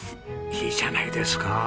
いいじゃないですか！